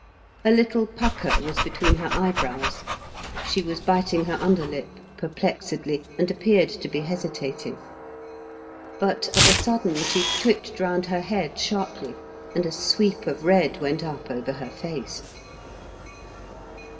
A little pucker was between her eyebrows, she was biting her under lip perplexedly, and appeared to be hesitating. But of a sudden she twitched round her head sharply and a sweep of red went up over her face.